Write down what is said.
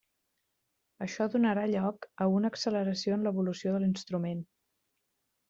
Això donarà lloc a una acceleració en l'evolució de l'instrument.